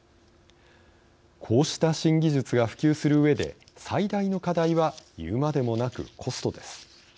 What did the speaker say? こうした新技術が普及するうえで最大の課題は言うまでもなくコストです。